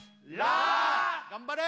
頑張れ